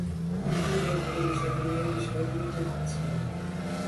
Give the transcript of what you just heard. কিন্তু দুর্ভোগের বিষয়, তিনি এ বিষয়ে গুরুত্ব দিচ্ছেন না।